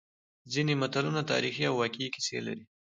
ځینې متلونه تاریخي او واقعي کیسې لري